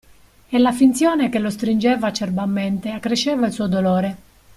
E la finzione che lo stringeva acerbamente accresceva il suo dolore.